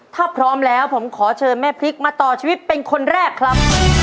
ถ้าพร้อมแล้วผมขอเชิญแม่พริกมาต่อชีวิตเป็นคนแรกครับ